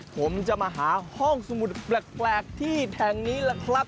ผมจะมาหาห้องสมุดแปลกที่แห่งนี้ล่ะครับ